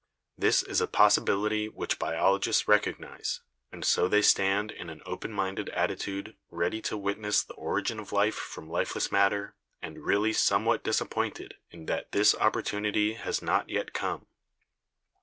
This is a possibility which biologists recognise, and so they stand in an open minded attitude ready to witness the origin of life from lifeless matter and really somewhat disappointed in that this opportunity has not yet come.